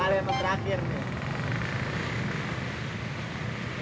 pertama kali terakhir ini